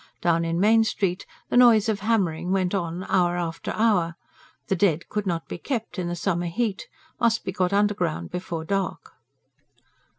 Down in Main Street the noise of hammering went on hour after hour. The dead could not be kept, in the summer heat, must be got underground before dark.